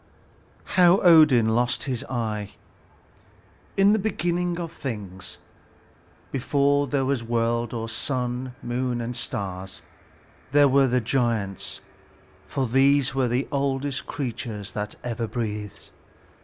HOW ODIN LOST HIS EYE In the beginning of things, before there was any world or sun, moon, and stars, there were the giants; for these were the oldest creatures that ever breathed.